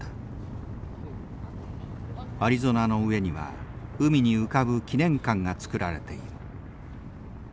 アリゾナの上には海に浮かぶ記念館が造られている。